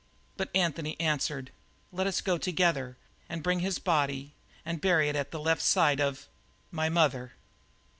But Anthony answered: "Let us go together and bring his body and bury it at the left side of my mother."